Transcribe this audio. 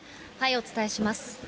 お伝えします。